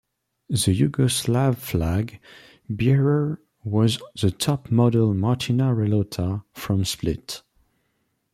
The yugoslav flag bearer was the top model Martina Relota from Split.